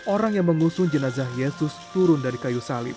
orang yang mengusung jenazah yesus turun dari kayu salib